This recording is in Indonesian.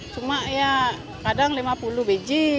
cuma ya kadang lima puluh biji